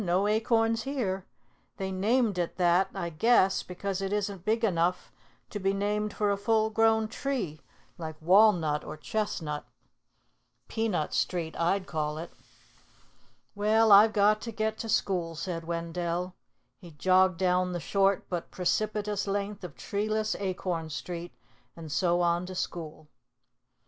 "No acorns here. They named it that, I guess, because it isn't big enough to be named for a full grown tree like Walnut or Chestnut. Peanut Street I'd call it." "Well, I've got to get to school," said Wendell. He jogged down the short but precipitous length of treeless Acorn Street, and so on to school.